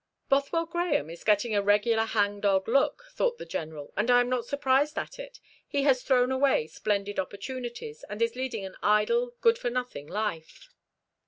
"Bothwell Grahame is getting a regular hang dog look," thought the General; "and I am not surprised at it. He has thrown away splendid opportunities, and is leading an idle, good for nothing life."